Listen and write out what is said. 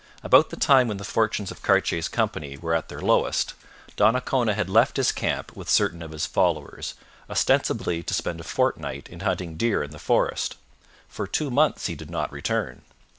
About the time when the fortunes of Cartier's company were at their lowest, Donnacona had left his camp with certain of his followers, ostensibly to spend a fortnight in hunting deer in the forest. For two months he did not return.